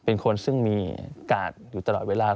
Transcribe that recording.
เป็นคนซึ่งมีกาดอยู่ตลอดเวลา